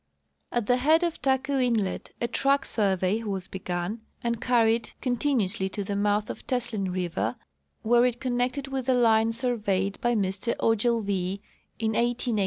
At the head of Taku inlet a " track survey " was begun and carried continuously to the mouth of Teslin river, where it connected with the line surveyed by Mr Ogilvie in 1886.